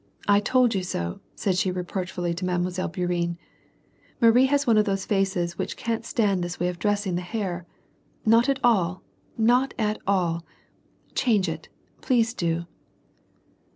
'*! told you so!" said she reproachfully, to Mile. Bourienne. " Marie has one of tlkose faces which can't stand this way of dressing the hair. Not at all, not at all. Ohauge it, please do."